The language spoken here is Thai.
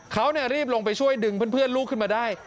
เขารีบลงไปช่วยดึงเพื่อนลูกขึ้นมาได้